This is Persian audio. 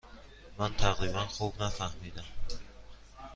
من تقریبا خوب نفهمیدم.